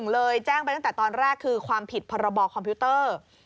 เลยแจ้งไปตั้งแต่ตอนแรกคือความผิดพรบคอมพิวเตอร์